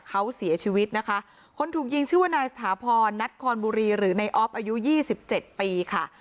เขาเสียชีวิตนะคะคนถูกยิงชื่อว่านายสถาพรนัทคอนบุรีหรือในออฟอายุยี่สิบเจ็ดปีค่ะ